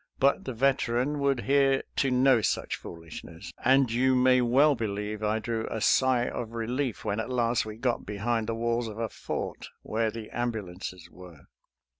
But the Veteran would hear to no such foolishness, and you may well believe I drew a sigh of relief when at last we got behind the walls of a fort, where the am bulances were.